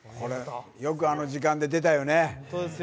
よくあの時間で出たよね。